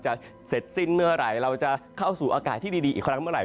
จะเสร็จสิ้นเมื่อไหร่เราจะเข้าสู่อากาศที่ดีอีกครั้งเมื่อไห